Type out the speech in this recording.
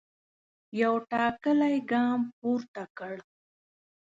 یو ټاکلی ګام پورته کړ.